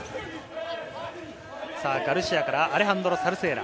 ガルシアからアレハンドロ・サルスエラ。